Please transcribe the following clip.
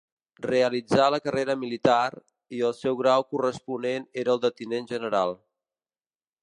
Realitzà la carrera militar, i el seu grau corresponent era el de tinent general.